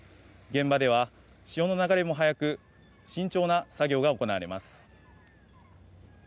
現場では潮の流れも速く慎重な作業が行われます。